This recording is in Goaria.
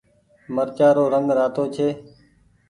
مرچآ رو رنگ رآتو ڇي۔